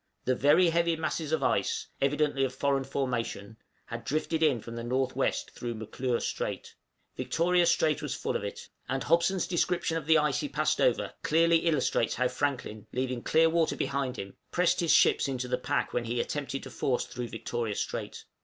The "very heavy masses of ice, evidently of foreign formation," had drifted in from the N.W. through M'Clure Strait; Victoria Strait was full of it; and Hobson's description of the ice he passed over clearly illustrates how Franklin, leaving clear water behind him, pressed his ships into the pack when he attempted to force through Victoria Strait.